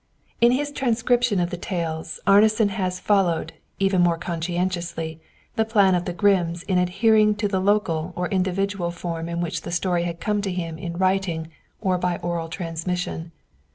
In his transcription of the tales, Arnason has followed, even more conscientiously, the plan of the Grimms in adhering to the local or individual form in which the story had come to him in writing or by oral transmission.